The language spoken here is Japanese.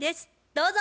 どうぞ。